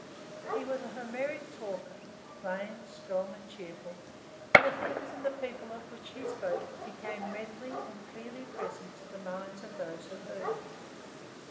He was a Homeric talker, plain, strong, and cheerful; and the things and the people of which he spoke became readily and clearly present to the minds of those who heard him.